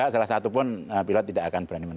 satu satupun pilot tidak akan berani menang